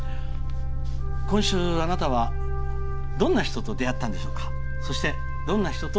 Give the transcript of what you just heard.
今週あなたは、どんな人と出会ったんでしょうか。